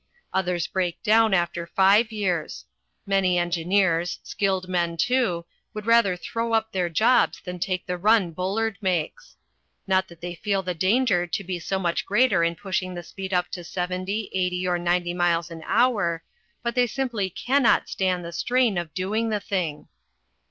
Others break down after five years. Many engineers skilled men, too would rather throw up their jobs than take the run Bullard makes. Not that they feel the danger to be so much greater in pushing the speed up to seventy, eighty, or ninety miles an hour, but they simply cannot stand the strain of doing the thing.